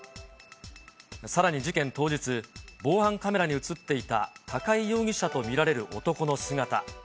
さらに事件当日、防犯カメラに写っていた高井容疑者と見られる男の姿。